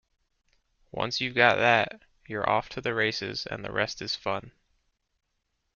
Once you've got that, you're off to the races and the rest is fun.